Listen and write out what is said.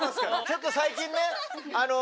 ちょっと最近ねあの。